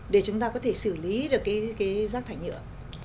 để chúng ta có thể xử lý được cái rác thải nhựa